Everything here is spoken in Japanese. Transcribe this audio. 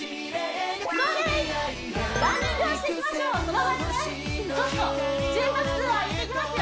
ランニングをしていきましょうその場でねちょっと心拍数を上げていきますよ